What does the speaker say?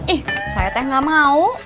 ih saya teh gak mau